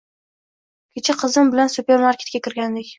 Kecha qizim bilan supermarketga kirgandik.